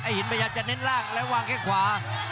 ไอ้หินประหยัดจะเน้นล่างและวางแค่ขวา